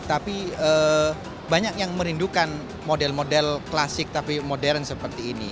tapi banyak yang merindukan model model klasik tapi modern seperti ini